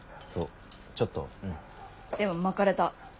でもまかれた。